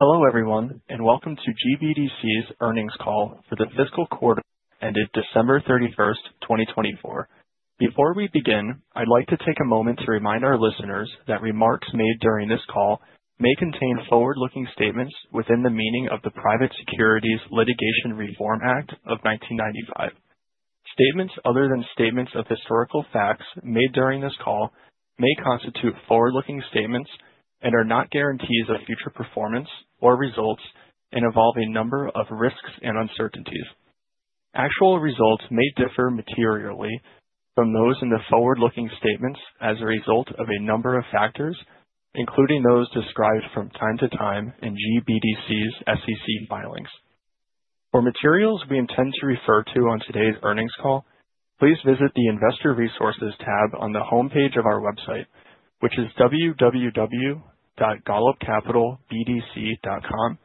Hello everyone, and welcome to GBDC's Earnings Call for the Fiscal Quarter ended December 31, 2024. Before we begin, I'd like to take a moment to remind our listeners that remarks made during this call may contain forward-looking statements within the meaning of the Private Securities Litigation Reform Act of 1995. Statements other than statements of historical facts made during this call may constitute forward-looking statements and are not guarantees of future performance or results involving a number of risks and uncertainties. Actual results may differ materially from those in the forward-looking statements as a result of a number of factors, including those described from time to time in GBDC's SEC filings. For materials we intend to refer to on today's earnings call, please visit the Investor Resources tab on the homepage of our website, which is www.golubcapitalbdc.com,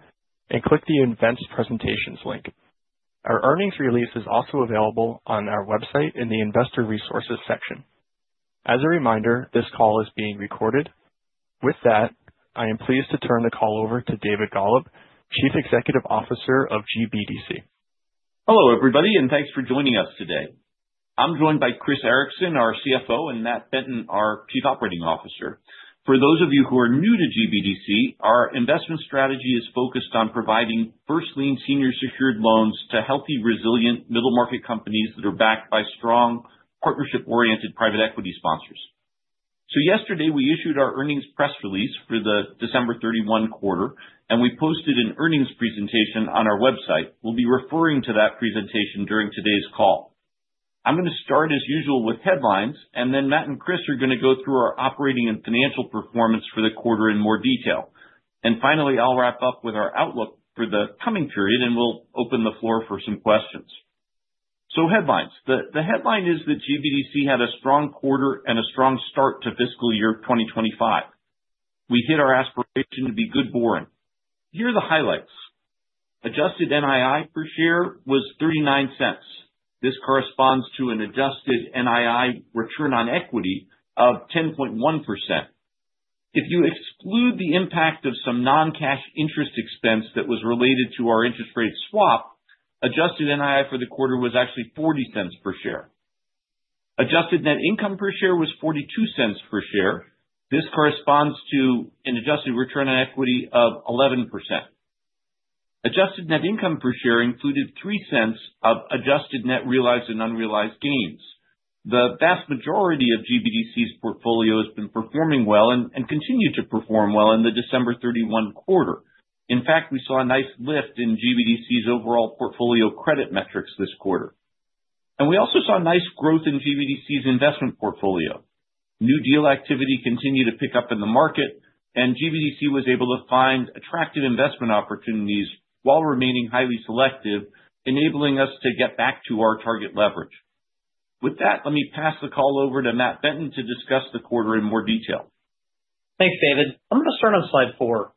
and click the Events Presentations link. Our earnings release is also available on our website in the Investor Resources section. As a reminder, this call is being recorded. With that, I am pleased to turn the call over to David Golub, Chief Executive Officer of GBDC. Hello everybody, and thanks for joining us today. I'm joined by Chris Ericson, our CFO, and Matt Benton, our Chief Operating Officer. For those of you who are new to GBDC, our investment strategy is focused on providing first-lien senior secured loans to healthy, resilient middle market companies that are backed by strong, partnership-oriented private equity sponsors. So yesterday, we issued our earnings press release for the December 31 quarter, and we posted an earnings presentation on our website. We'll be referring to that presentation during today's call. I'm going to start, as usual, with headlines, and then Matt and Chris are going to go through our operating and financial performance for the quarter in more detail. And finally, I'll wrap up with our outlook for the coming period, and we'll open the floor for some questions. So headlines. The headline is that GBDC had a strong quarter and a strong start to fiscal year 2025. We hit our aspiration to be good boring. Here are the highlights. Adjusted NII per share was $0.39. This corresponds to an Adjusted NII Return on Equity of 10.1%. If you exclude the impact of some non-cash interest expense that was related to our interest rate swap, Adjusted NII for the quarter was actually $0.40 per share. Adjusted Net Income per share was $0.42 per share. This corresponds to an adjusted return on equity of 11%. Adjusted net income per share included $0.03 of Adjusted Net Realized and Unrealized Gains. The vast majority of GBDC's portfolio has been performing well and continued to perform well in the December 31 quarter. In fact, we saw a nice lift in GBDC's overall portfolio credit metrics this quarter. We also saw nice growth in GBDC's investment portfolio. New deal activity continued to pick up in the market, and GBDC was able to find attractive investment opportunities while remaining highly selective, enabling us to get back to our target leverage. With that, let me pass the call over to Matt Benton to discuss the quarter in more detail. Thanks, David. I'm going to start on slide four.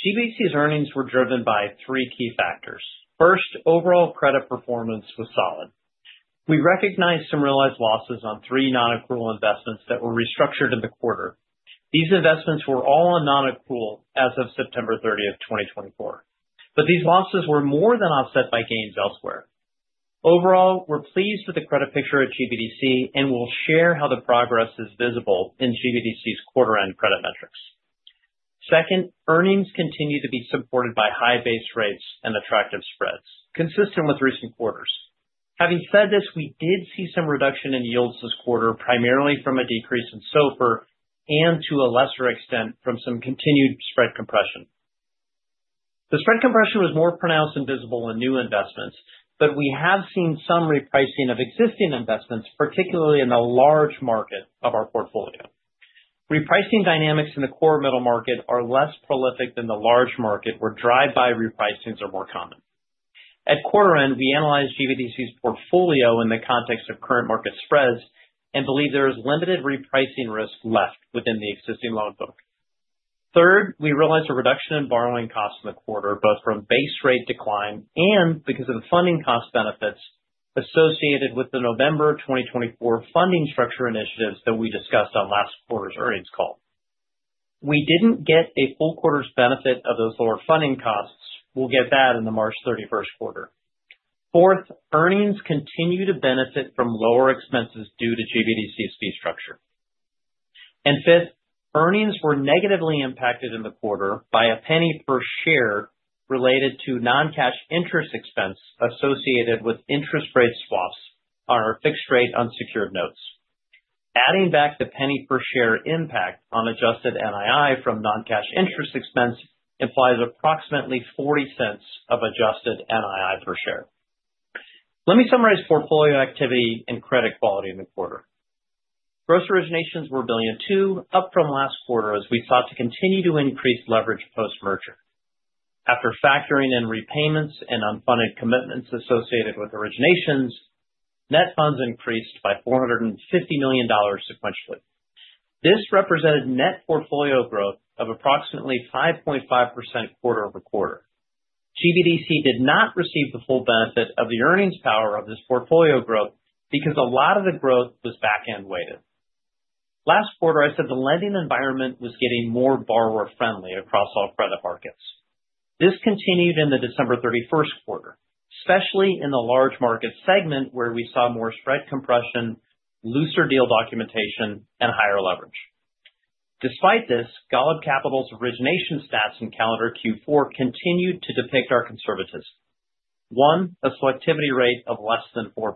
GBDC's earnings were driven by three key factors. First, overall credit performance was solid. We recognized some realized losses on three non-accrual investments that were restructured in the quarter. These investments were all on non-accrual as of September 30, 2024. But these losses were more than offset by gains elsewhere. Overall, we're pleased with the credit picture at GBDC, and we'll share how the progress is visible in GBDC's quarter-end credit metrics. Second, earnings continue to be supported by high base rates and attractive spreads, consistent with recent quarters. Having said this, we did see some reduction in yields this quarter, primarily from a decrease in SOFR and, to a lesser extent, from some continued spread compression. The spread compression was more pronounced and visible in new investments, but we have seen some repricing of existing investments, particularly in the large market of our portfolio. Repricing dynamics in the core middle market are less prolific than the large market, where drive-by repricings are more common. At quarter-end, we analyzed GBDC's portfolio in the context of current market spreads and believe there is limited repricing risk left within the existing loan book. Third, we realized a reduction in borrowing costs in the quarter, both from base rate decline and because of the funding cost benefits associated with the November 2024 funding structure initiatives that we discussed on last quarter's earnings call. We didn't get a full quarter's benefit of those lower funding costs. We'll get that in the March 31 quarter. Fourth, earnings continue to benefit from lower expenses due to GBDC's fee structure. Fifth, earnings were negatively impacted in the quarter by $0.01 per share related to non-cash interest expense associated with interest rate swaps on our fixed-rate unsecured notes. Adding back the $0.01 per share impact on Adjusted NII from non-cash interest expense implies approximately $0.40 of Adjusted NII per share. Let me summarize portfolio activity and credit quality in the quarter. Gross originations were $2 billion, up from last quarter as we sought to continue to increase leverage post-merger. After factoring in repayments and unfunded commitments associated with originations, net funds increased by $450 million sequentially. This represented net portfolio growth of approximately 5.5% quarter-over-quarter. GBDC did not receive the full benefit of the earnings power of this portfolio growth because a lot of the growth was back-end weighted. Last quarter, I said the lending environment was getting more borrower-friendly across all credit markets. This continued in the December 31 quarter, especially in the large market segment where we saw more spread compression, looser deal documentation, and higher leverage. Despite this, Golub Capital's origination stats in calendar Q4 continued to depict our conservatism. One, a selectivity rate of less than 4%.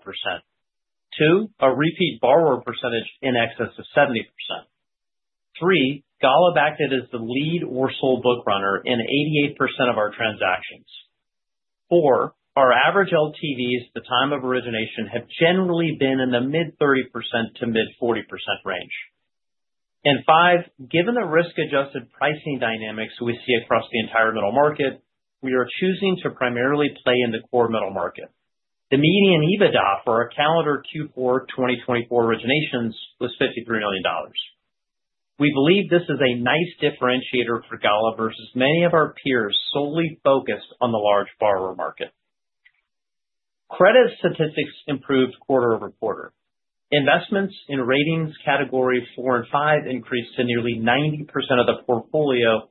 Two, a repeat borrower percentage in excess of 70%. Three, Golub acted as the lead or sole bookrunner in 88% of our transactions. Four, our average LTVs at the time of origination have generally been in the mid-30% to mid-40% range. And five, given the risk-adjusted pricing dynamics we see across the entire middle market, we are choosing to primarily play in the core middle market. The median EBITDA for our calendar Q4 2024 originations was $53 million. We believe this is a nice differentiator for Golub versus many of our peers solely focused on the large borrower market. Credit statistics improved quarter-over-quarter. Investments in ratings category 4 and 5 increased to nearly 90% of the portfolio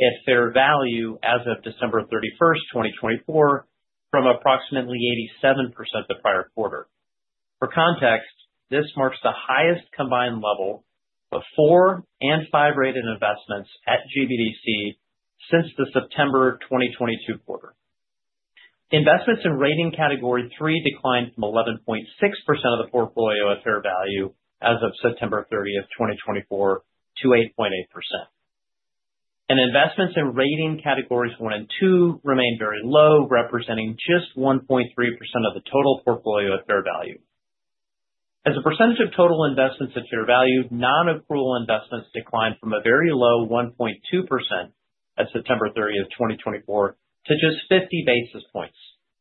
at fair value as of December 31, 2024, from approximately 87% the prior quarter. For context, this marks the highest combined level of four and five-rated investments at GBDC since the September 2022 quarter. Investments in rating category 3 declined from 11.6% of the portfolio at fair value as of September 30, 2024, to 8.8%, and investments in rating categories 1 and 2 remain very low, representing just 1.3% of the total portfolio at fair value. As a percentage of total investments at fair value, non-accrual investments declined from a very low 1.2% at September 30, 2024, to just 50 basis points,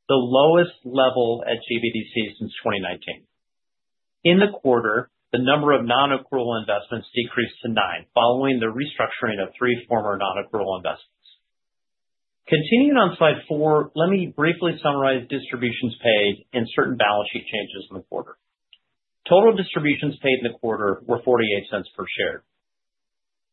the lowest level at GBDC since 2019. In the quarter, the number of non-accrual investments decreased to nine following the restructuring of three former non-accrual investments. Continuing on slide four, let me briefly summarize distributions paid and certain balance sheet changes in the quarter. Total distributions paid in the quarter were $0.48 per share.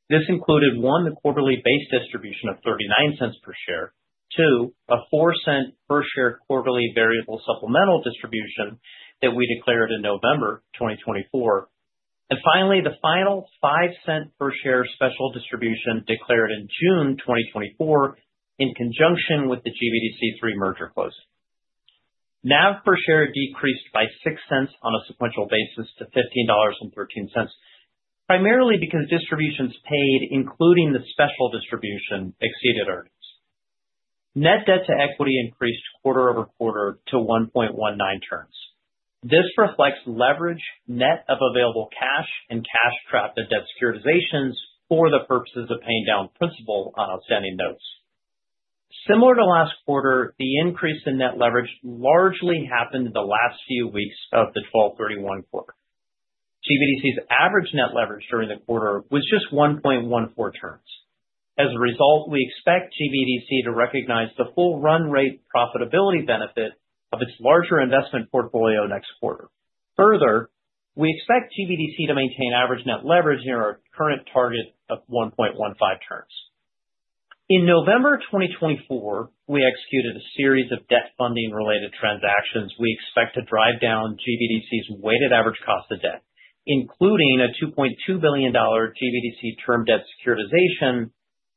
This included one, the quarterly base distribution of $0.39 per share, two, a $0.04 per share quarterly variable supplemental distribution that we declared in November 2024, and finally, the final $0.05 per share special distribution declared in June 2024 in conjunction with the GBDC 3 merger close. NAV per share decreased by $0.06 on a sequential basis to $15.13, primarily because distributions paid, including the special distribution, exceeded earnings. Net debt to equity increased quarter-over-quarter to 1.19 turns. This reflects leverage net of available cash and cash trapped in debt securitizations for the purposes of paying down principal on outstanding notes. Similar to last quarter, the increase in net leverage largely happened in the last few weeks of the 12/31 quarter. GBDC's average net leverage during the quarter was just 1.14 turns. As a result, we expect GBDC to recognize the full run rate profitability benefit of its larger investment portfolio next quarter. Further, we expect GBDC to maintain average net leverage near our current target of 1.15 turns. In November 2024, we executed a series of debt funding-related transactions we expect to drive down GBDC's weighted average cost of debt, including a $2.2 billion GBDC term debt securitization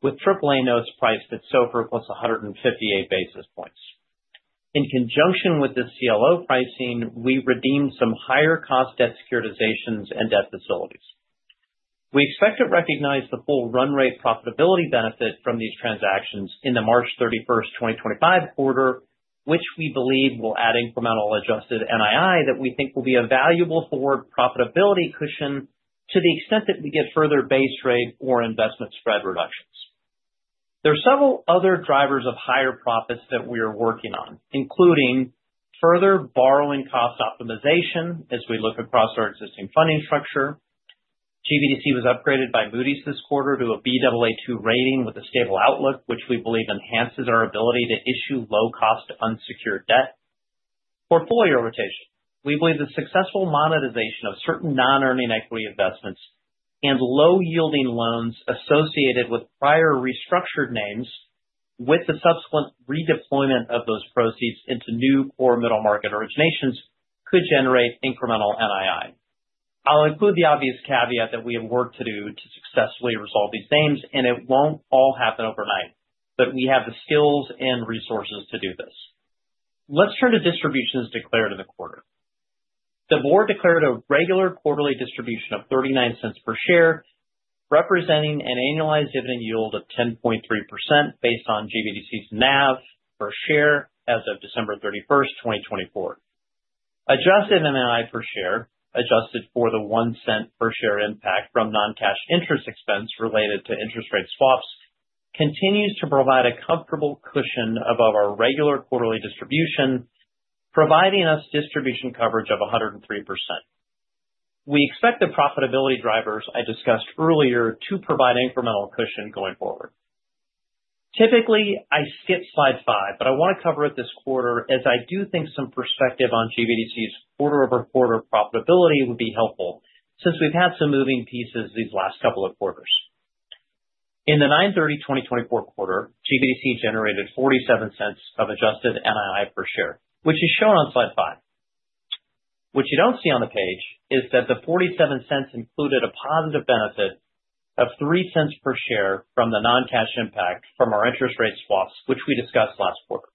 with AAA notes priced at SOFR plus 158 basis points. In conjunction with the CLO pricing, we redeemed some higher cost debt securitizations and debt facilities. We expect to recognize the full run-rate profitability benefit from these transactions in the March 31, 2025 quarter, which we believe will add incremental Adjusted NII that we think will be a valuable forward profitability cushion to the extent that we get further base rate or investment spread reductions. There are several other drivers of higher profits that we are working on, including further borrowing cost optimization as we look across our existing funding structure. GBDC was upgraded by Moody's this quarter to a Baa2 rating with a stable outlook, which we believe enhances our ability to issue low-cost unsecured debt portfolio rotation. We believe the successful monetization of certain non-earning equity investments and low-yielding loans associated with prior restructured names, with the subsequent redeployment of those proceeds into new core middle market originations, could generate incremental NII. I'll include the obvious caveat that we have work to do to successfully resolve these names, and it won't all happen overnight, but we have the skills and resources to do this. Let's turn to distributions declared in the quarter. The board declared a regular quarterly distribution of $0.39 per share, representing an annualized dividend yield of 10.3% based on GBDC's NAV per share as of December 31, 2024. Adjusted NII per share, adjusted for the $0.01 per share impact from non-cash interest expense related to interest rate swaps, continues to provide a comfortable cushion above our regular quarterly distribution, providing us distribution coverage of 103%. We expect the profitability drivers I discussed earlier to provide incremental cushion going forward. Typically, I skip slide five, but I want to cover it this quarter as I do think some perspective on GBDC's quarter-over-quarter profitability would be helpful since we've had some moving pieces these last couple of quarters. In the 9/30/2024 quarter, GBDC generated $0.47 of Adjusted NII per share, which is shown on slide five. What you don't see on the page is that the $0.47 included a positive benefit of $0.03 per share from the non-cash impact from our interest rate swaps, which we discussed last quarter.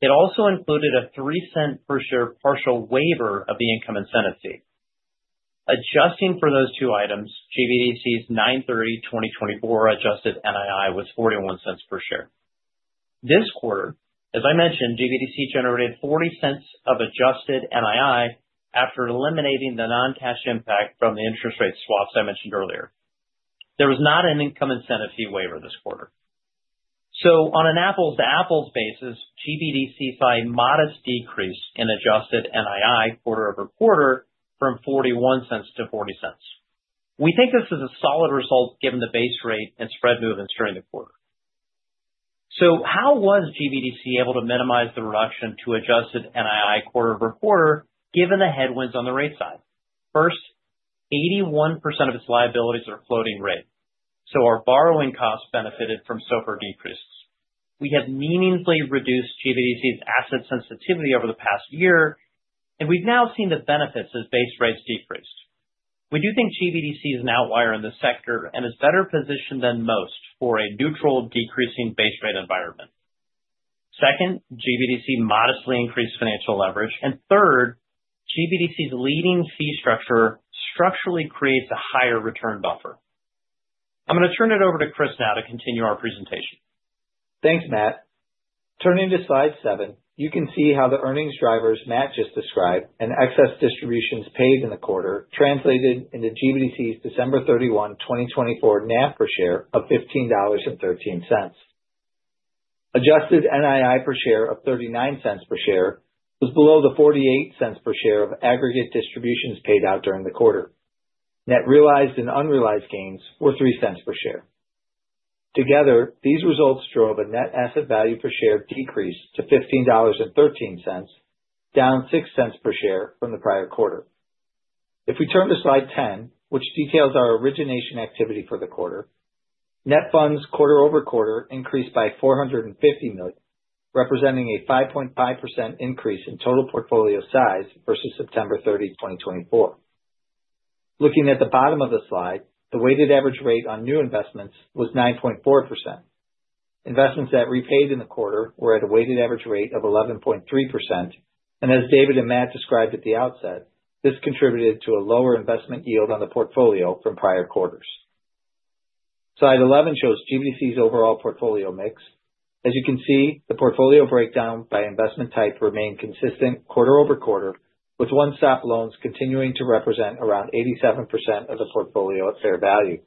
It also included a $0.03 per share partial waiver of the income incentive fee. Adjusting for those two items, GBDC's 9/30/2024 Adjusted NII was $0.41 per share. This quarter, as I mentioned, GBDC generated $0.40 of Adjusted NII after eliminating the non-cash impact from the interest rate swaps I mentioned earlier. There was not an income incentive fee waiver this quarter. So, on an apples-to-apples basis, GBDC saw a modest decrease in Adjusted NII quarter-over-quarter from $0.41 to $0.40. We think this is a solid result given the base rate and spread movements during the quarter. So, how was GBDC able to minimize the reduction to Adjusted NII quarter-over-quarter given the headwinds on the rate side? First, 81% of its liabilities are floating rate. So, our borrowing cost benefited from SOFR decreases. We have meaningfully reduced GBDC's asset sensitivity over the past year, and we've now seen the benefits as base rates decreased. We do think GBDC is an outlier in this sector and is better positioned than most for a neutral decreasing base rate environment. Second, GBDC modestly increased financial leverage. And third, GBDC's leading fee structure structurally creates a higher return buffer. I'm going to turn it over to Chris now to continue our presentation. Thanks, Matt. Turning to slide seven, you can see how the earnings drivers Matt just described and excess distributions paid in the quarter translated into GBDC's December 31, 2024 NAV per share of $15.13. Adjusted NII per share of $0.39 per share was below the $0.48 per share of aggregate distributions paid out during the quarter. Net realized and unrealized gains were $0.03 per share. Together, these results drove a Net Asset Value per share decrease to $15.13, down $0.06 per share from the prior quarter. If we turn to slide 10, which details our origination activity for the quarter, net funds quarter-over-quarter increased by $450 million, representing a 5.5% increase in total portfolio size versus September 30, 2024. Looking at the bottom of the slide, the weighted average rate on new investments was 9.4%. Investments that repaid in the quarter were at a weighted average rate of 11.3%, and as David and Matt described at the outset, this contributed to a lower investment yield on the portfolio from prior quarters. Slide 11 shows GBDC's overall portfolio mix. As you can see, the portfolio breakdown by investment type remained consistent quarter-over-quarter, with One-Stop loans continuing to represent around 87% of the portfolio at fair value,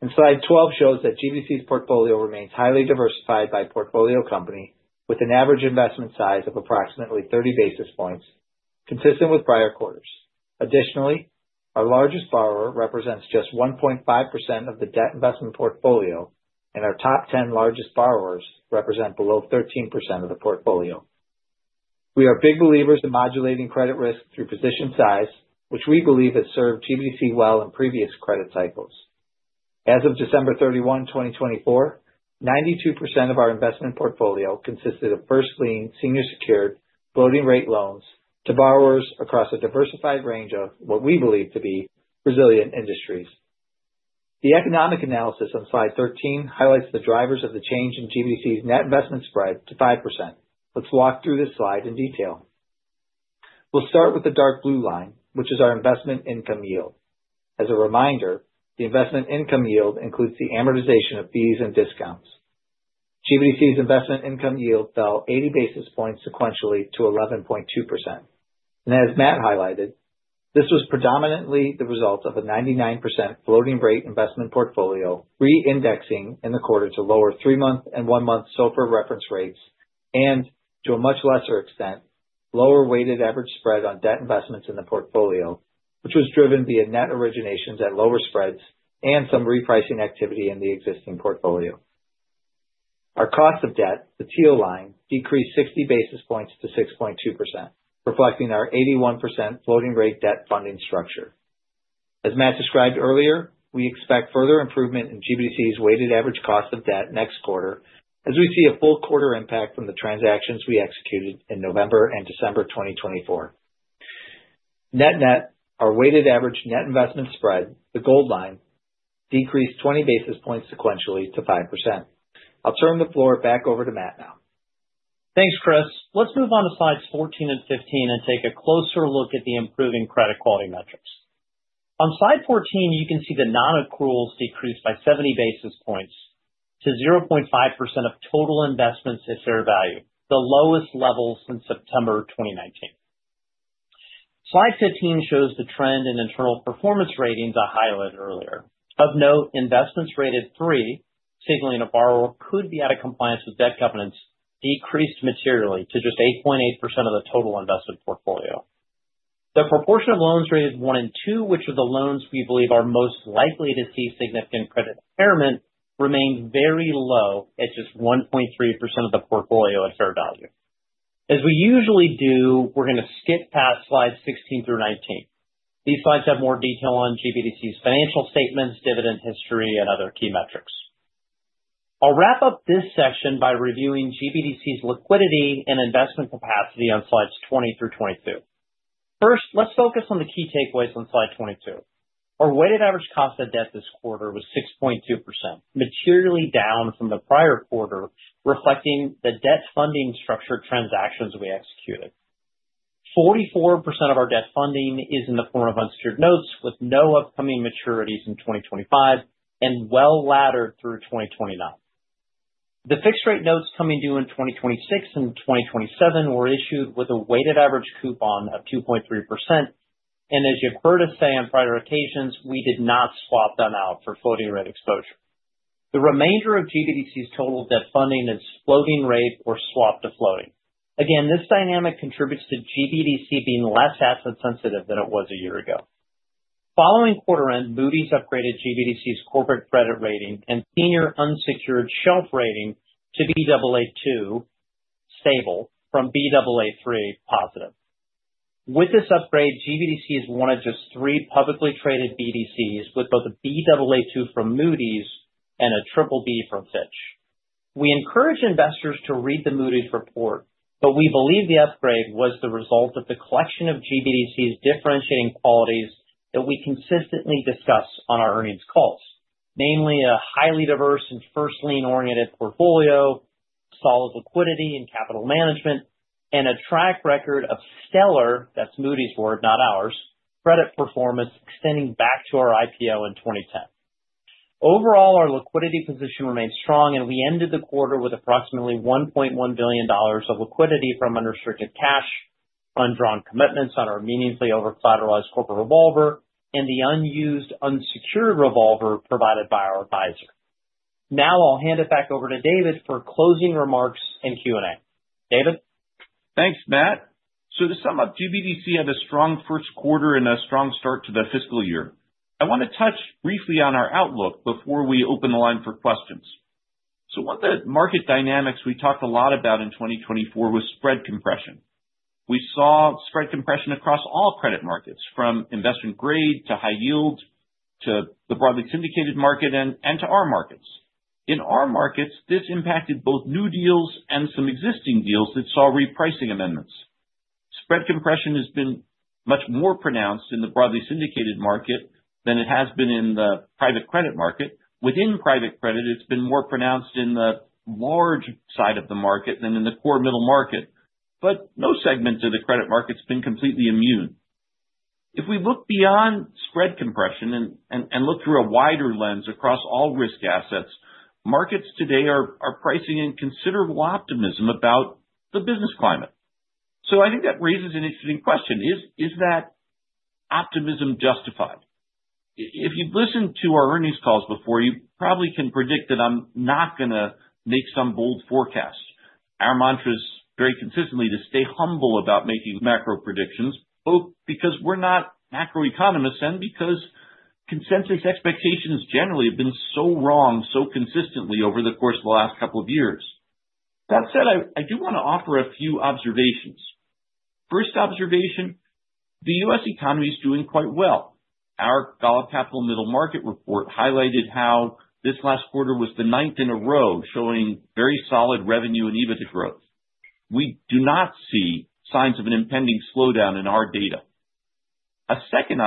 and slide 12 shows that GBDC's portfolio remains highly diversified by portfolio company, with an average investment size of approximately 30 basis points, consistent with prior quarters. Additionally, our largest borrower represents just 1.5% of the debt investment portfolio, and our top 10 largest borrowers represent below 13% of the portfolio. We are big believers in modulating credit risk through position size, which we believe has served GBDC well in previous credit cycles. As of December 31, 2024, 92% of our investment portfolio consisted of first-lien, senior-secured, floating-rate loans to borrowers across a diversified range of what we believe to be resilient industries. The economic analysis on slide 13 highlights the drivers of the change in GBDC's net investment spread to 5%. Let's walk through this slide in detail. We'll start with the dark blue line, which is our investment income yield. As a reminder, the investment income yield includes the amortization of fees and discounts. GBDC's investment income yield fell 80 basis points sequentially to 11.2%. As Matt highlighted, this was predominantly the result of a 99% floating-rate investment portfolio reindexing in the quarter to lower three-month and one-month SOFR reference rates, and to a much lesser extent, lower weighted average spread on debt investments in the portfolio, which was driven via net originations at lower spreads and some repricing activity in the existing portfolio. Our cost of debt, the teal line, decreased 60 basis points to 6.2%, reflecting our 81% floating-rate debt funding structure. As Matt described earlier, we expect further improvement in GBDC's weighted average cost of debt next quarter, as we see a full quarter impact from the transactions we executed in November and December 2024. Net net, our weighted average net investment spread, the gold line, decreased 20 basis points sequentially to 5%. I'll turn the floor back over to Matt now. Thanks, Chris. Let's move on to slides 14 and 15 and take a closer look at the improving credit quality metrics. On slide 14, you can see the non-accruals decreased by 70 basis points to 0.5% of total investments at fair value, the lowest level since September 2019. Slide 15 shows the trend in internal performance ratings I highlighted earlier. Of note, investments rated three, signaling a borrower could be out of compliance with debt covenants, decreased materially to just 8.8% of the total investment portfolio. The proportion of loans rated one and two, which are the loans we believe are most likely to see significant credit impairment, remained very low at just 1.3% of the portfolio at fair value. As we usually do, we're going to skip past slides 16 through 19. These slides have more detail on GBDC's financial statements, dividend history, and other key metrics. I'll wrap up this section by reviewing GBDC's liquidity and investment capacity on slides 20 through 22. First, let's focus on the key takeaways on slide 22. Our weighted average cost of debt this quarter was 6.2%, materially down from the prior quarter, reflecting the debt funding structure transactions we executed. 44% of our debt funding is in the form of unsecured notes, with no upcoming maturities in 2025 and well laddered through 2029. The fixed-rate notes coming due in 2026 and 2027 were issued with a weighted average coupon of 2.3%, and as you've heard us say on prior occasions, we did not swap them out for floating-rate exposure. The remainder of GBDC's total debt funding is floating rate or swap to floating. Again, this dynamic contributes to GBDC being less asset sensitive than it was a year ago. Following quarter end, Moody's upgraded GBDC's corporate credit rating and senior unsecured shelf rating to Baa2 stable from Baa3 positive. With this upgrade, GBDC has one of just three publicly traded BDCs with both a Baa2 from Moody's and a BBB from Fitch. We encourage investors to read the Moody's report, but we believe the upgrade was the result of the collection of GBDC's differentiating qualities that we consistently discuss on our earnings calls, namely a highly diverse and first-lien-oriented portfolio, solid liquidity and capital management, and a track record of stellar, that's Moody's word, not ours, credit performance extending back to our IPO in 2010. Overall, our liquidity position remained strong, and we ended the quarter with approximately $1.1 billion of liquidity from unrestricted cash, undrawn commitments on our meaningfully over-collateralized corporate revolver, and the unused, unsecured revolver provided by our advisor. Now I'll hand it back over to David for closing remarks and Q&A. David? Thanks, Matt. So to sum up, GBDC had a strong Q1 and a strong start to the fiscal year. I want to touch briefly on our outlook before we open the line for questions. So one of the market dynamics we talked a lot about in 2024 was spread compression. We saw spread compression across all credit markets, from investment grade to high yield to the broadly syndicated market and to our markets. In our markets, this impacted both new deals and some existing deals that saw repricing amendments. Spread compression has been much more pronounced in the broadly syndicated market than it has been in the private credit market. Within private credit, it's been more pronounced in the large side of the market than in the core middle market, but no segment of the credit market's been completely immune. If we look beyond spread compression and look through a wider lens across all risk assets, markets today are pricing in considerable optimism about the business climate. So I think that raises an interesting question. Is that optimism justified? If you've listened to our earnings calls before, you probably can predict that I'm not going to make some bold forecasts. Our mantra is very consistently to stay humble about making macro predictions, both because we're not macroeconomists and because consensus expectations generally have been so wrong so consistently over the course of the last couple of years. That said, I do want to offer a few observations. First observation, the U.S. economy is doing quite well. Our Golub Capital Middle Market Report highlighted how this last quarter was the ninth in a row, showing very solid revenue and EBITDA growth. We do not see signs of an impending slowdown in our data. A second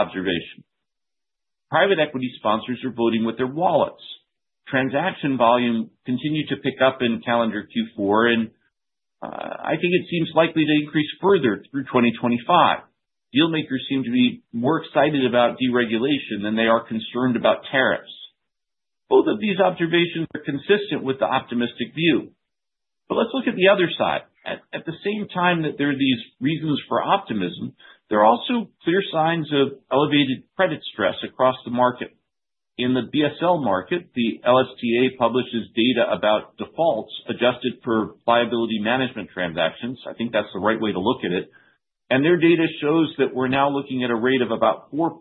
observation, private equity sponsors are voting with their wallets. Transaction volume continued to pick up in calendar Q4, and I think it seems likely to increase further through 2025. Dealmakers seem to be more excited about deregulation than they are concerned about tariffs. Both of these observations are consistent with the optimistic view. But let's look at the other side. At the same time that there are these reasons for optimism, there are also clear signs of elevated credit stress across the market. In the BSL market, the LSTA publishes data about defaults adjusted for liability management transactions. I think that's the right way to look at it. Their data shows that we're now looking at a rate of about 4.7%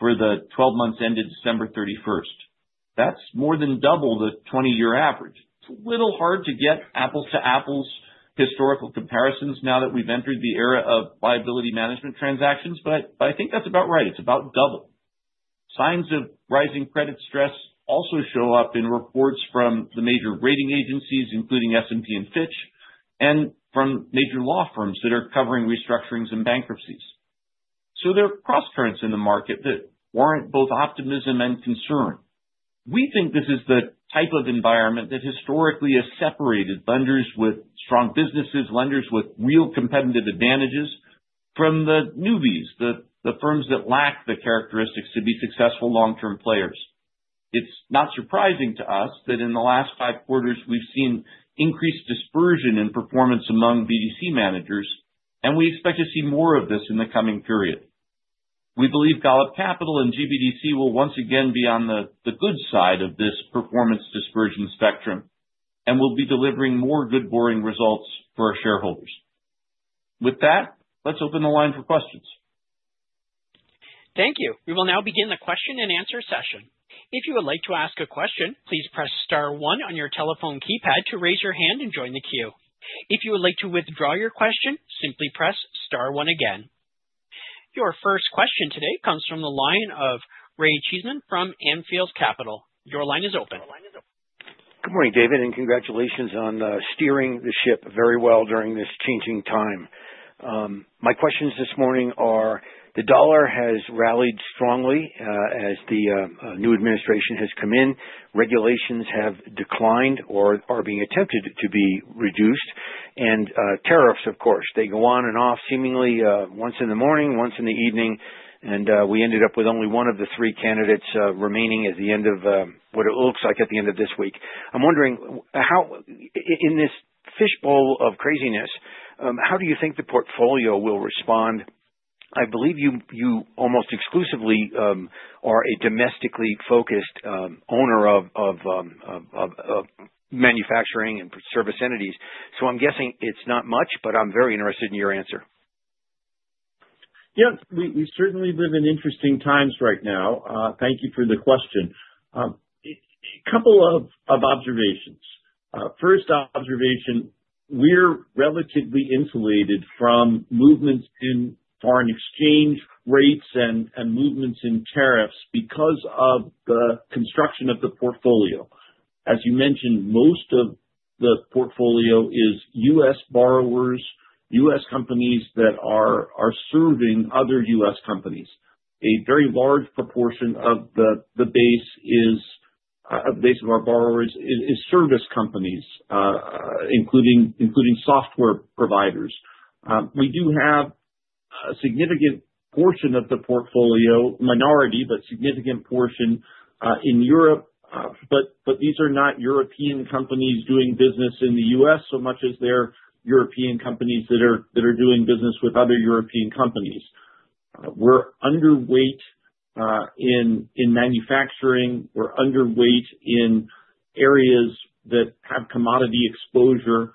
for the 12 months ended December 31. That's more than double the 20-year average. It's a little hard to get apples-to-apples historical comparisons now that we've entered the era of liability management transactions, but I think that's about right. It's about double. Signs of rising credit stress also show up in reports from the major rating agencies, including S&P and Fitch, and from major law firms that are covering restructurings and bankruptcies. So there are cross currents in the market that warrant both optimism and concern. We think this is the type of environment that historically has separated lenders with strong businesses, lenders with real competitive advantages from the newbies, the firms that lack the characteristics to be successful long-term players. It's not surprising to us that in the last five quarters, we've seen increased dispersion in performance among BDC managers, and we expect to see more of this in the coming period. We believe Golub Capital and GBDC will once again be on the good side of this performance dispersion spectrum and will be delivering more good boring results for our shareholders. With that, let's open the line for questions. Thank you. We will now begin the question and answer session. If you would like to ask a question, please press star one on your telephone keypad to raise your hand and join the queue. If you would like to withdraw your question, simply press star one again. Your first question today comes from the line of Ray Cheesman from Anfield Capital. Your line is open. Good morning, David, and congratulations on steering the ship very well during this changing time. My questions this morning are the dollar has rallied strongly as the new administration has come in, regulations have declined or are being attempted to be reduced, and tariffs, of course, they go on and off seemingly once in the morning, once in the evening, and we ended up with only one of the three candidates remaining at the end of what it looks like at the end of this week. I'm wondering, in this fishbowl of craziness, how do you think the portfolio will respond? I believe you almost exclusively are a domestically focused owner of manufacturing and service entities, so I'm guessing it's not much, but I'm very interested in your answer. Yeah, we certainly live in interesting times right now. Thank you for the question. A couple of observations. First observation, we're relatively insulated from movements in foreign exchange rates and movements in tariffs because of the construction of the portfolio. As you mentioned, most of the portfolio is U.S. borrowers, U.S. companies that are serving other U.S. companies. A very large proportion of the base of our borrowers is service companies, including software providers. We do have a significant portion of the portfolio, minority, but significant portion in Europe, but these are not European companies doing business in the U.S. so much as they're European companies that are doing business with other European companies. We're underweight in manufacturing. We're underweight in areas that have commodity exposure.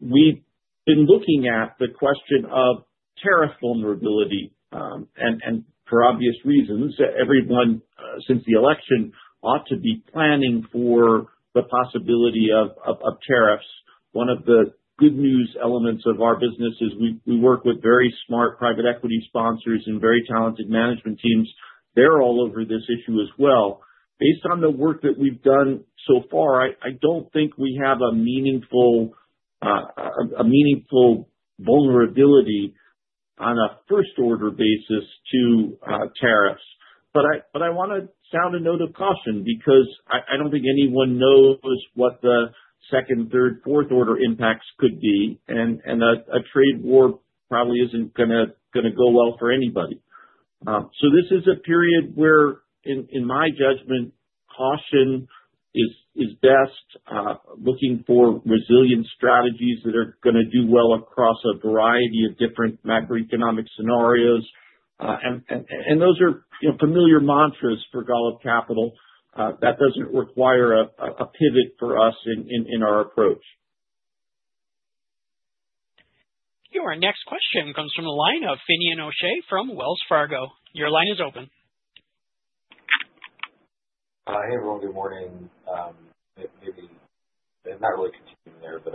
We've been looking at the question of tariff vulnerability, and for obvious reasons, everyone since the election ought to be planning for the possibility of tariffs. One of the good news elements of our business is we work with very smart private equity sponsors and very talented management teams. They're all over this issue as well. Based on the work that we've done so far, I don't think we have a meaningful vulnerability on a first-order basis to tariffs. But I want to sound a note of caution because I don't think anyone knows what the second, third, fourth-order impacts could be, and a trade war probably isn't going to go well for anybody. So this is a period where, in my judgment, caution is best, looking for resilient strategies that are going to do well across a variety of different macroeconomic scenarios. And those are familiar mantras for Golub Capital. That doesn't require a pivot for us in our approach. Your next question comes from the line of Finian O'Shea from Wells Fargo. Your line is open. Hey, everyone. Good morning. Maybe not really continuing there, but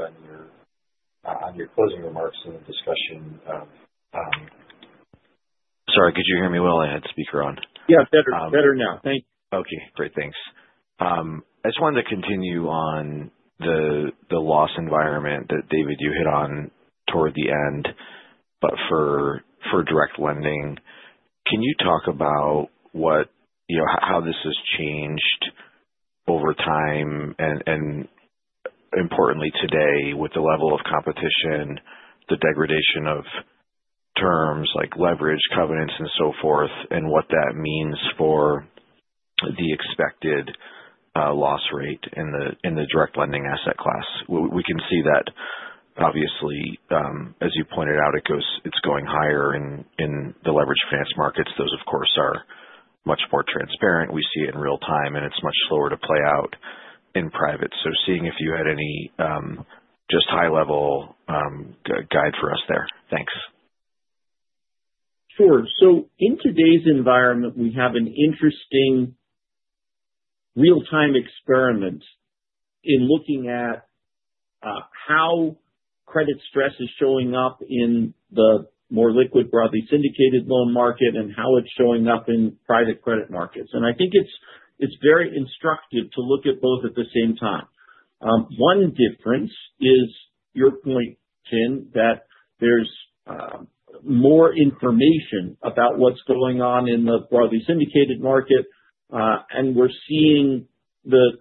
on your closing remarks and the discussion of. Sorry, could you hear me well? I had speaker on. Yeah, better now. Thank you. Okay. Great. Thanks. I just wanted to continue on the loss environment that, David, you hit on toward the end, but for direct lending. Can you talk about how this has changed over time and, importantly, today, with the level of competition, the degradation of terms like leverage, covenants, and so forth, and what that means for the expected loss rate in the direct lending asset class? We can see that, obviously, as you pointed out, it's going higher in the leveraged finance markets. Those, of course, are much more transparent. We see it in real time, and it's much slower to play out in private. So, seeing if you had any just high-level guide for us there. Thanks. Sure. So in today's environment, we have an interesting real-time experiment in looking at how credit stress is showing up in the more liquid broadly syndicated loan market and how it's showing up in private credit markets. And I think it's very instructive to look at both at the same time. One difference is your point, Fin, that there's more information about what's going on in the broadly syndicated market, and we're seeing the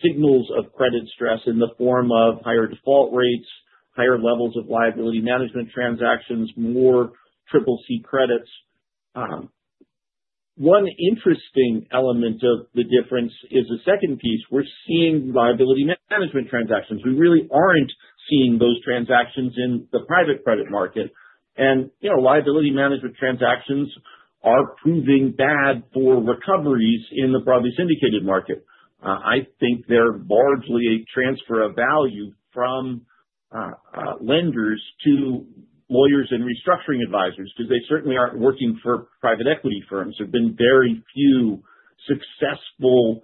signals of credit stress in the form of higher default rates, higher levels of liability management transactions, more CCC credits. One interesting element of the difference is the second piece. We're seeing liability management transactions. We really aren't seeing those transactions in the private credit market. And liability management transactions are proving bad for recoveries in the broadly syndicated market. I think they're largely a transfer of value from lenders to lawyers and restructuring advisors because they certainly aren't working for private equity firms. There have been very few successful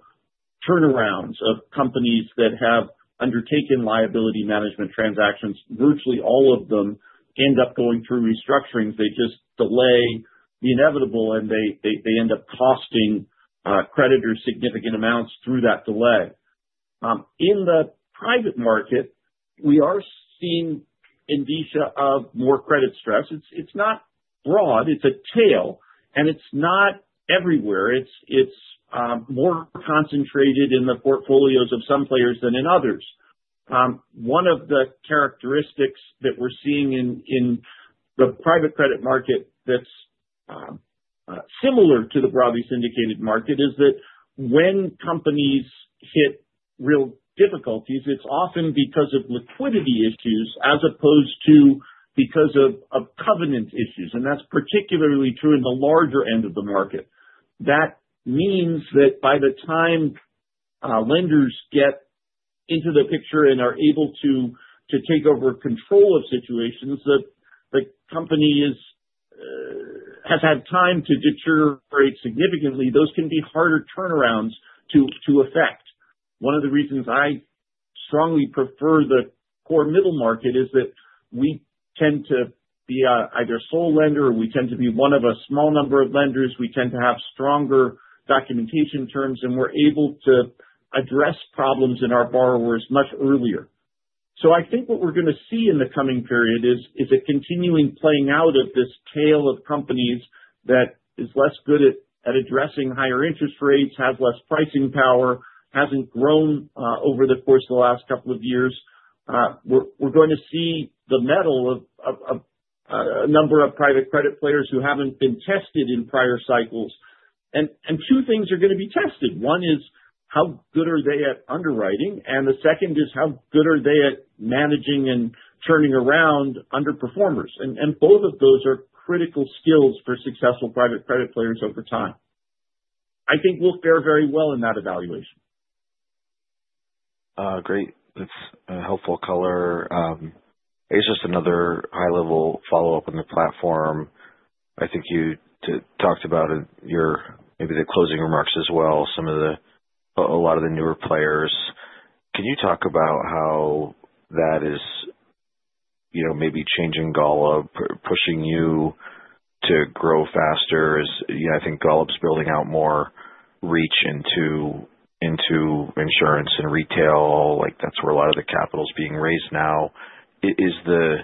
turnarounds of companies that have undertaken liability management transactions. Virtually all of them end up going through restructurings. They just delay the inevitable, and they end up costing creditors significant amounts through that delay. In the private market, we are seeing indication of more credit stress. It's not broad. It's a tail, and it's not everywhere. It's more concentrated in the portfolios of some players than in others. One of the characteristics that we're seeing in the private credit market that's similar to the broadly syndicated market is that when companies hit real difficulties, it's often because of liquidity issues as opposed to because of covenant issues, and that's particularly true in the larger end of the market. That means that by the time lenders get into the picture and are able to take over control of situations, the company has had time to deteriorate significantly. Those can be harder turnarounds to affect. One of the reasons I strongly prefer the core middle market is that we tend to be either a sole lender, or we tend to be one of a small number of lenders. We tend to have stronger documentation terms, and we're able to address problems in our borrowers much earlier. So I think what we're going to see in the coming period is a continuing playing out of this tail of companies that is less good at addressing higher interest rates, has less pricing power, hasn't grown over the course of the last couple of years. We're going to see the mettle of a number of private credit players who haven't been tested in prior cycles, and two things are going to be tested. One is how good are they at underwriting, and the second is how good are they at managing and turning around underperformers, and both of those are critical skills for successful private credit players over time. I think we'll fare very well in that evaluation. Great. That's a helpful color. It's just another high-level follow-up on the platform. I think you talked about maybe the closing remarks as well, a lot of the newer players. Can you talk about how that is maybe changing Golub, pushing you to grow faster? I think Golub's building out more reach into insurance and retail. That's where a lot of the capital is being raised now. Is the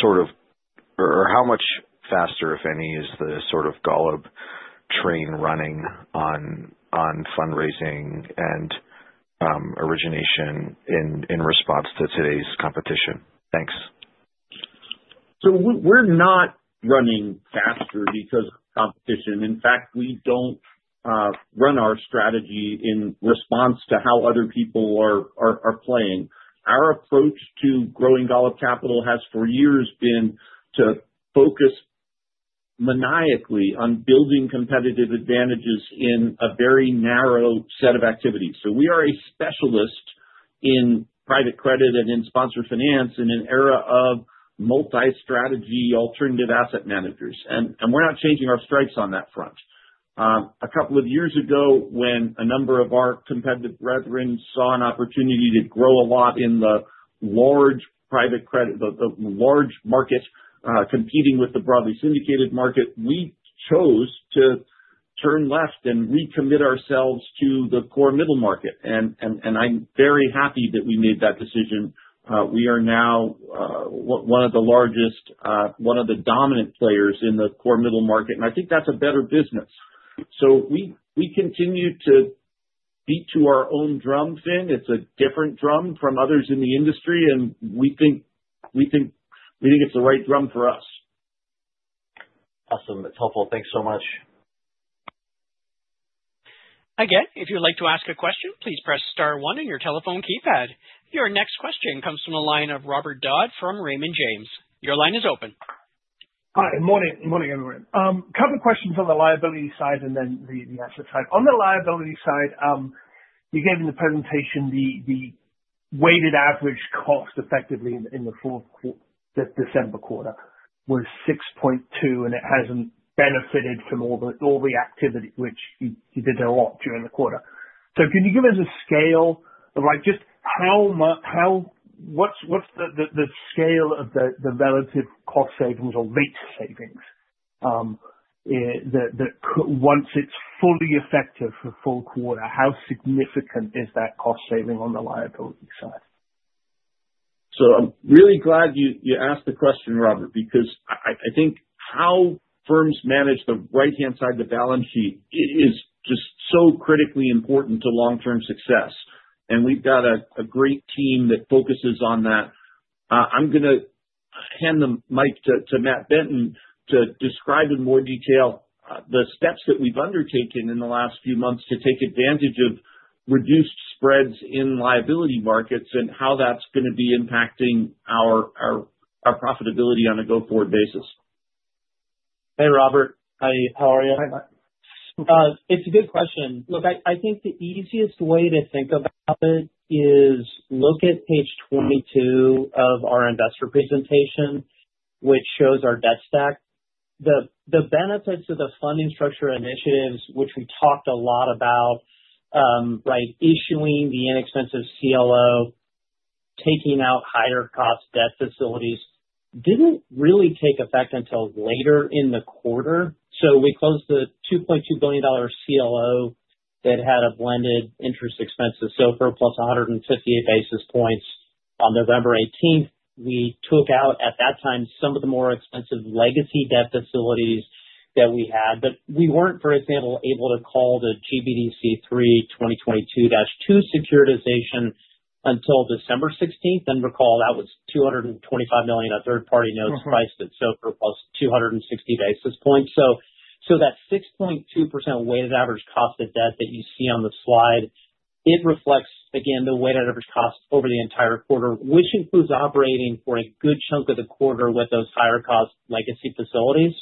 sort of - or how much faster, if any, is the sort of Golub train running on fundraising and origination in response to today's competition? Thanks. So we're not running faster because of competition. In fact, we don't run our strategy in response to how other people are playing. Our approach to growing Golub Capital has for years been to focus maniacally on building competitive advantages in a very narrow set of activities. So we are a specialist in private credit and in sponsor finance in an era of multi-strategy alternative asset managers. And we're not changing our stripes on that front. A couple of years ago, when a number of our competitive brethren saw an opportunity to grow a lot in the large markets competing with the broadly syndicated market, we chose to turn left and recommit ourselves to the core middle market. And I'm very happy that we made that decision. We are now one of the largest, one of the dominant players in the core middle market, and I think that's a better business. So we continue to beat to our own drum, Fin. It's a different drum from others in the industry, and we think it's the right drum for us. Awesome. That's helpful. Thanks so much. Again, if you'd like to ask a question, please press star one on your telephone keypad. Your next question comes from the line of Robert Dodd from Raymond James. Your line is open. Hi. Good morning. Good morning, everyone. A couple of questions on the liability side and then the asset side. On the liability side, you gave in the presentation the weighted average cost effectively in the fourth December quarter was 6.2%, and it hasn't benefited from all the activity, which you did a lot during the quarter. So can you give us a scale of just how much—what's the scale of the relative cost savings or rate savings that once it's fully effective for full quarter, how significant is that cost saving on the liability side? I'm really glad you asked the question, Robert, because I think how firms manage the right-hand side of the balance sheet is just so critically important to long-term success. We've got a great team that focuses on that. I'm going to hand the mic to Matt Benton to describe in more detail the steps that we've undertaken in the last few months to take advantage of reduced spreads in liability markets and how that's going to be impacting our profitability on a go-forward basis. Hey, Robert. How are you? Hi, Matt. It's a good question. Look, I think the easiest way to think about it is look at page 22 of our investor presentation, which shows our debt stack. The benefits of the funding structure initiatives, which we talked a lot about, right, issuing the inexpensive CLO, taking out higher-cost debt facilities, didn't really take effect until later in the quarter. So we closed the $2.2 billion CLO that had a blended interest expense of SOFR plus 158 basis points on November 18. We took out, at that time, some of the more expensive legacy debt facilities that we had, but we weren't, for example, able to call the GBDC 3 2022-2 securitization until December 16. Recall, that was $225 million, third-party notes priced at SOFR plus 260 basis points. That 6.2% weighted average cost of debt that you see on the slide reflects, again, the weighted average cost over the entire quarter, which includes operating for a good chunk of the quarter with those higher-cost legacy facilities.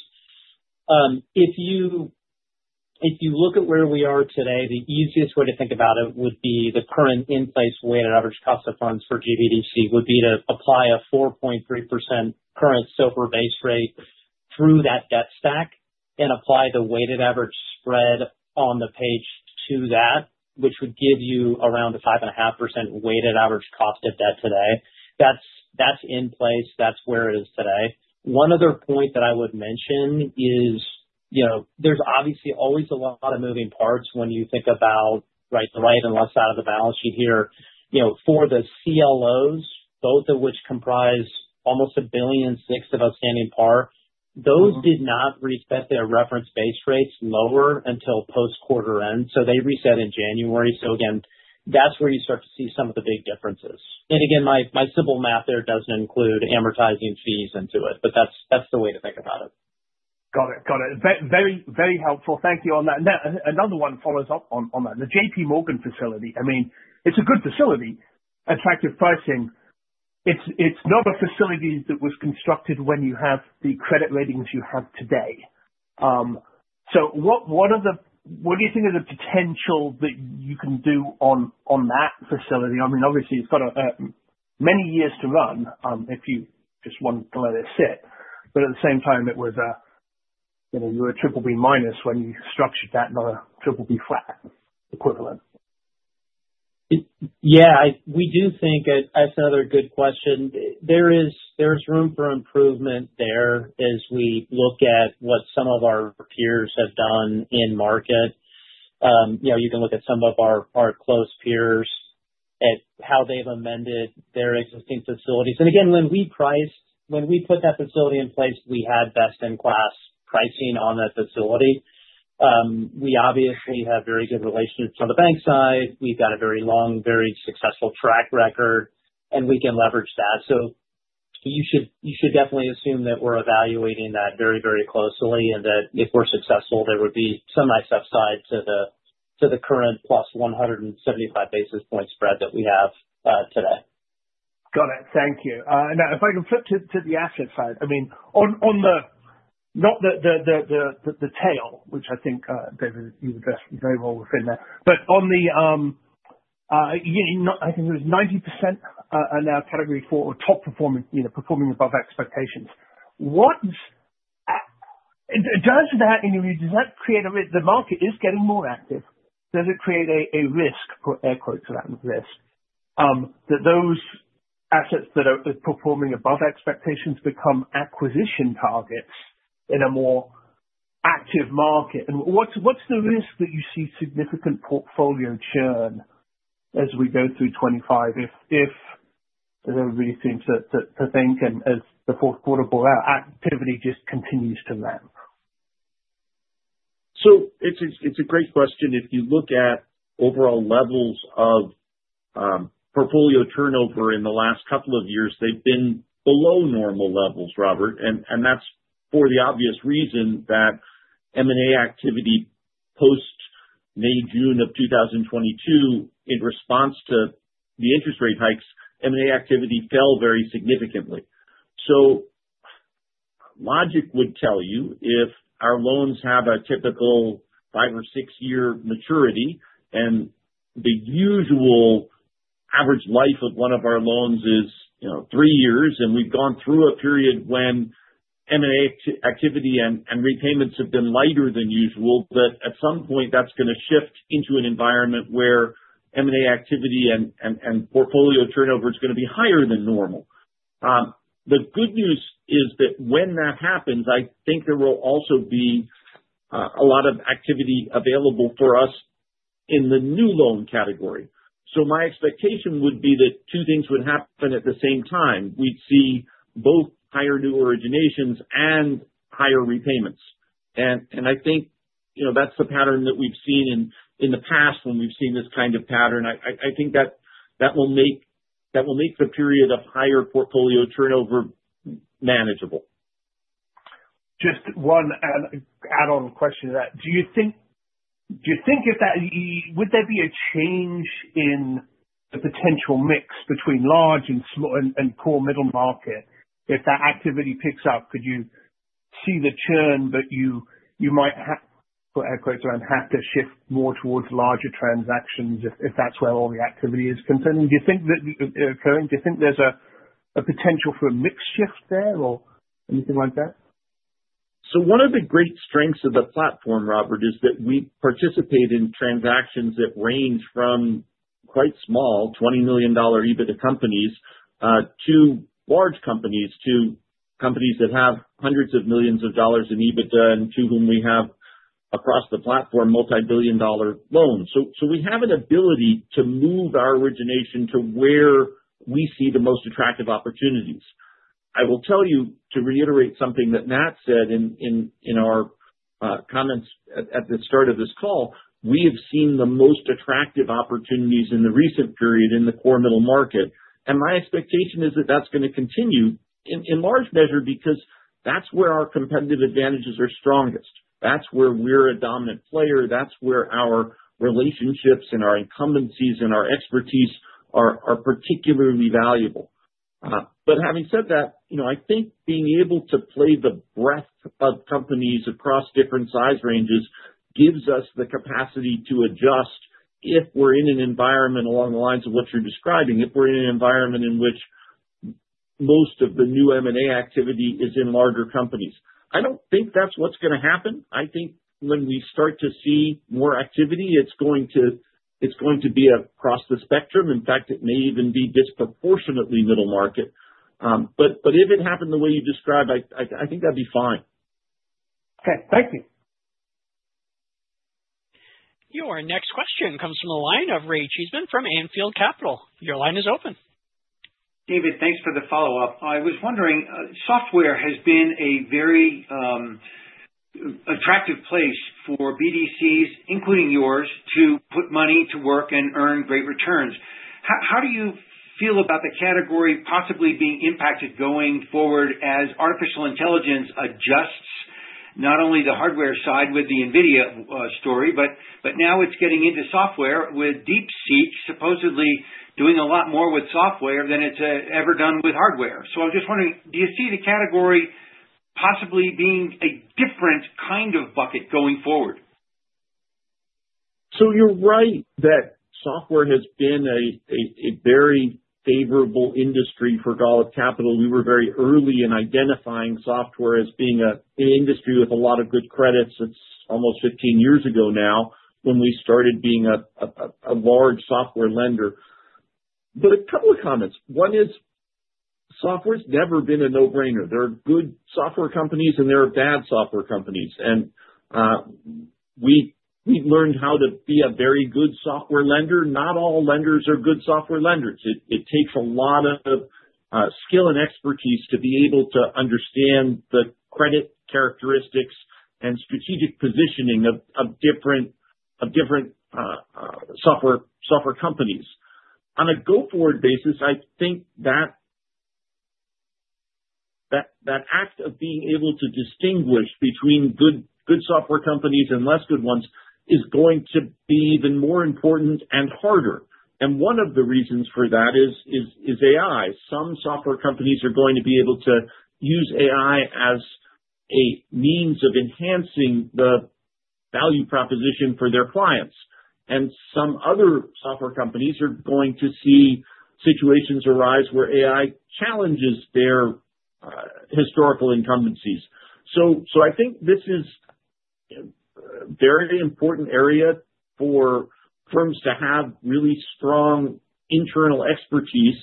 If you look at where we are today, the easiest way to think about it would be the current in-place weighted average cost of funds for GBDC would be to apply a 4.3% current SOFR base rate through that debt stack and apply the weighted average spread on the page to that, which would give you around a 5.5% weighted average cost of debt today. That's in place. That's where it is today. One other point that I would mention is there's obviously always a lot of moving parts when you think about, right, the right and left side of the balance sheet here for the CLOs, both of which comprise almost $1.6 billion of standing par. Those did not reset their reference base rates lower until post-quarter end. So they reset in January. So again, that's where you start to see some of the big differences. And again, my simple math there doesn't include amortizing fees into it, but that's the way to think about it. Got it. Got it. Very helpful. Thank you on that. Now, another one follows up on that. The JPMorgan facility, I mean, it's a good facility. Attractive pricing. It's not a facility that was constructed when you have the credit ratings you have today. So what do you think is the potential that you can do on that facility? I mean, obviously, it's got many years to run if you just want to let it sit. But at the same time, it was a—you were a BBB - when you structured that and not a BBB flat equivalent. Yeah. We do think it's another good question. There's room for improvement there as we look at what some of our peers have done in market. You can look at some of our close peers at how they've amended their existing facilities. And again, when we put that facility in place, we had best-in-class pricing on that facility. We obviously have very good relationships on the bank side. We've got a very long, very successful track record, and we can leverage that. So you should definitely assume that we're evaluating that very, very closely and that if we're successful, there would be some nice upside to the current plus 175 basis point spread that we have today. Got it. Thank you. Now, if I can flip to the asset side, I mean, not the tail, which I think, David, you addressed very well within that. But on the, I think it was 90% are now Category 4 or top performing, performing above expectations. Does that, does that create a, the market is getting more active. Does it create a risk, air quotes around this, that those assets that are performing above expectations become acquisition targets in a more active market? And what's the risk that you see significant portfolio churn as we go through 2025 if everybody seems to think and as the Q4 buyout activity just continues to ramp? So it's a great question. If you look at overall levels of portfolio turnover in the last couple of years, they've been below normal levels, Robert. And that's for the obvious reason that M&A activity post-May/June of 2022, in response to the interest rate hikes, M&A activity fell very significantly. So logic would tell you if our loans have a typical five or six year maturity and the usual average life of one of our loans is three years, and we've gone through a period when M&A activity and repayments have been lighter than usual, that at some point that's going to shift into an environment where M&A activity and portfolio turnover is going to be higher than normal. The good news is that when that happens, I think there will also be a lot of activity available for us in the new loan category. So my expectation would be that two things would happen at the same time. We'd see both higher new originations and higher repayments. And I think that's the pattern that we've seen in the past when we've seen this kind of pattern. I think that will make the period of higher portfolio turnover manageable. Just one add-on question to that. Do you think if that would there be a change in the potential mix between large and core middle market? If that activity picks up, could you see the churn that you might have to shift more towards larger transactions if that's where all the activity is concerning? Do you think that there's a potential for a mix shift there or anything like that? So one of the great strengths of the platform, Robert, is that we participate in transactions that range from quite small, $20 million EBITDA companies to large companies to companies that have hundreds of millions of dollars in EBITDA and to whom we have, across the platform, multi-billion-dollar loans. So we have an ability to move our origination to where we see the most attractive opportunities. I want to reiterate something that Matt said in our comments at the start of this call. We have seen the most attractive opportunities in the recent period in the core middle market, and my expectation is that that's going to continue in large measure because that's where our competitive advantages are strongest. That's where we're a dominant player. That's where our relationships and our incumbencies and our expertise are particularly valuable, but having said that, I think being able to play the breadth of companies across different size ranges gives us the capacity to adjust if we're in an environment along the lines of what you're describing, if we're in an environment in which most of the new M&A activity is in larger companies. I don't think that's what's going to happen. I think when we start to see more activity, it's going to be across the spectrum. In fact, it may even be disproportionately middle market. But if it happened the way you described, I think that'd be fine. Okay. Thank you. Your next question comes from the line of Ray Cheesman from Anfield Capital. Your line is open. David, thanks for the follow-up. I was wondering, software has been a very attractive place for BDCs, including yours, to put money to work and earn great returns. How do you feel about the category possibly being impacted going forward as artificial intelligence adjusts not only the hardware side with the NVIDIA story, but now it's getting into software with DeepSeek supposedly doing a lot more with software than it's ever done with hardware? So I'm just wondering, do you see the category possibly being a different kind of bucket going forward? So you're right that software has been a very favorable industry for Golub Capital. We were very early in identifying software as being an industry with a lot of good credits. It's almost 15 years ago now when we started being a large software lender. But a couple of comments. One is software's never been a no-brainer. There are good software companies and there are bad software companies. And we've learned how to be a very good software lender. Not all lenders are good software lenders. It takes a lot of skill and expertise to be able to understand the credit characteristics and strategic positioning of different software companies. On a go-forward basis, I think that act of being able to distinguish between good software companies and less good ones is going to be even more important and harder. And one of the reasons for that is AI. Some software companies are going to be able to use AI as a means of enhancing the value proposition for their clients. Some other software companies are going to see situations arise where AI challenges their historical incumbencies. I think this is a very important area for firms to have really strong internal expertise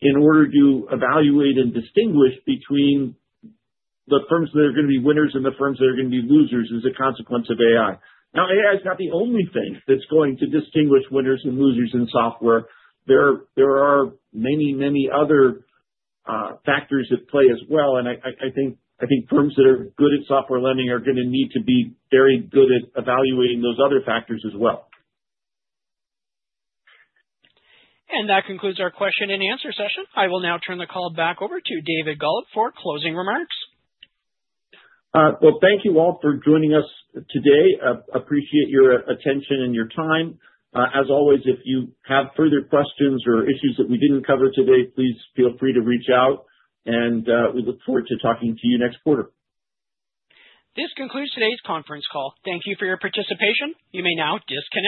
in order to evaluate and distinguish between the firms that are going to be winners and the firms that are going to be losers as a consequence of AI. Now, AI is not the only thing that's going to distinguish winners and losers in software. There are many, many other factors at play as well. I think firms that are good at software lending are going to need to be very good at evaluating those other factors as well. That concludes our question and answer session. I will now turn the call back over to David Golub for closing remarks. Well, thank you all for joining us today. Appreciate your attention and your time. As always, if you have further questions or issues that we didn't cover today, please feel free to reach out. And we look forward to talking to you next quarter. This concludes today's conference call. Thank you for your participation. You may now disconnect.